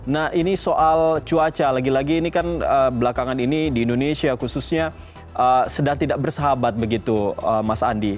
nah ini soal cuaca lagi lagi ini kan belakangan ini di indonesia khususnya sedang tidak bersahabat begitu mas andi